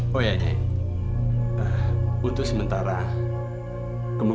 bisa tidak kita keluar dari kamar